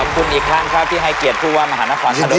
ขอบคุณอีกครั้งครับที่ให้เกียรติผู้ว่ามหานครทาด่วนอีกครั้ง